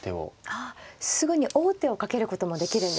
あすぐに王手をかけることもできるんですね。